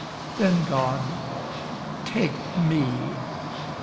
Then, God, take me!